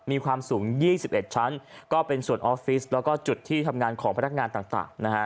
มีความสูง๒๑ชั้นก็เป็นส่วนออฟฟิศแล้วก็จุดที่ทำงานของพนักงานต่างนะฮะ